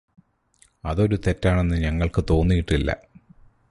അതൊരു തെറ്റാണെന്ന് ഞങ്ങള്ക്ക് തോന്നിയിട്ടില്ല